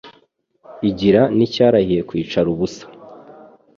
Igira n' icyarahiye kwicara ubusa,